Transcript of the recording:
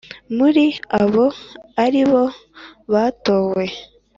muri abo ari bo batowe,